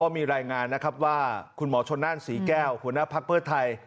มีรายงานนะครับว่าคุณหมอชนนั่นศรีแก้วหัวหน้าภักดิ์เพื่อไทย